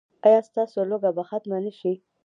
ایا ستاسو لوږه به ختمه نه شي؟